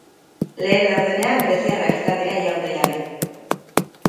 Lehen laurdenean greziarrak izan dira jaun eta jabe.